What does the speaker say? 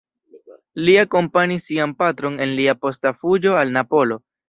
Li akompanis sian patron en lia posta fuĝo al Napolo.